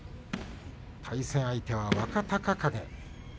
対戦相手は若隆景。